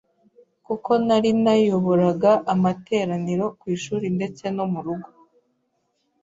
kuko nari nayoboraga amateraniro ku ishuri ndetse no mu rugo,